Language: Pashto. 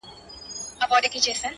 زه يم دا مه وايه چي تا وړي څوك.